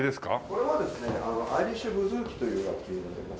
これはアイリッシュブズーキという楽器になります。